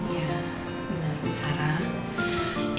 iya bener sarah